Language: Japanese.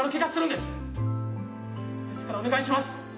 ですからお願いします。